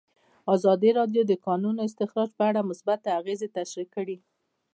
ازادي راډیو د د کانونو استخراج په اړه مثبت اغېزې تشریح کړي.